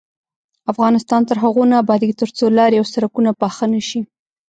افغانستان تر هغو نه ابادیږي، ترڅو لارې او سرکونه پاخه نشي.